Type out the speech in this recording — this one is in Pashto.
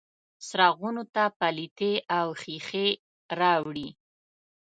څراغونو ته پیلتې او ښیښې راوړي